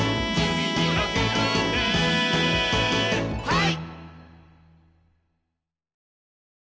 はい！